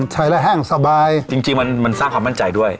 จริงมันสร้างความมั่นใจด้วย